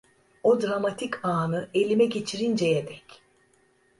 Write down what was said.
O dramatik ânı, elime geçirinceye dek.